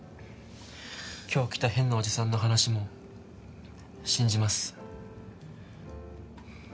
今日来た変なおじさんの話も信じます。